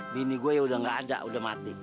bini gue udah gak ada udah mati